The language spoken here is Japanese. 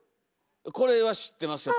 これは知ってますよ。